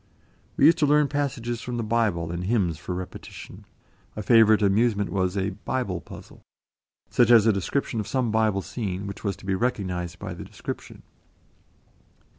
We used to learn passages from the Bible and hymns for repetition; a favourite amusement was a "Bible puzzle," such as a description of some Bible scene, which was to be recognised by the description.